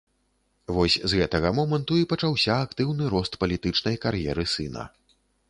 Вось з гэтага моманту і пачаўся актыўны рост палітычнай кар'еры сына.